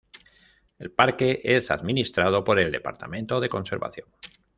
El parque es administrado por el Departamento de Conservación.